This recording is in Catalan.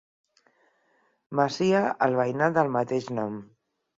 Masia al veïnat del mateix nom.